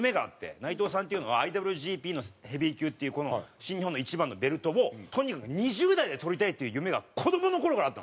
内藤さんっていうのはＩＷＧＰのヘビー級っていうこの新日本の一番のベルトをとにかく２０代でとりたいっていう夢が子どもの頃からあったんですよ。